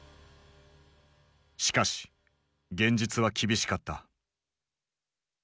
しかし現実は厳しかった。